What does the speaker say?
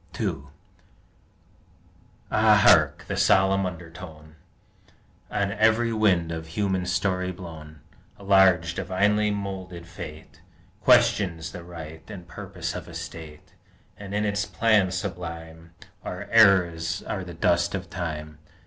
II 1 Ah, hark! the solemn undertone, On every wind of human story blown. A large, divinely moulded Fate Questions the right and purpose of a State, And in its plan sublime Our eras are the dust of Time.